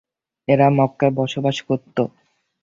এরা মক্কায় বসবাস করত।